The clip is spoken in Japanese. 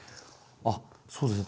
あっそうですね。